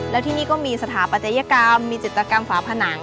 แล้วที่นี่ก็มีสถาปัตยกรรมมีจิตกรรมฝาผนัง